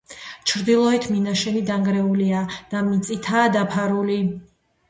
ჩრდილოეთ მინაშენი დანგრეულია და მიწითაა დაფარული.